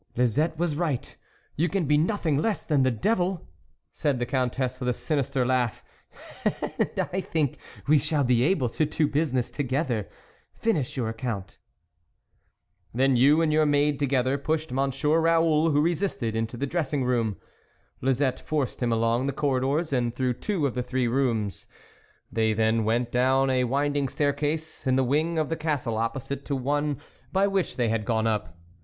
" Lisette was right, you can be nothing less than the devil, "said the Countess with a sinister laugh, " and I think we shall be able to do business together .... Finish your account." " Then you and your maid together pushed Monsieur Raoul, who resisted, into the dressing room ; Lisette forced him along the corridors and through two or three rooms ; they then went down a winding staircase, in the wing of the Castle opposite to the one by which they had gone up.